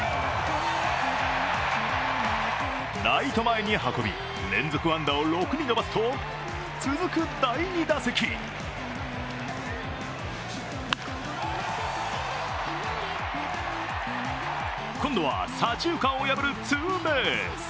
ライト前に運び連続安打数を６に伸ばすと続く第２打席、今度は左中間を破るツーベース。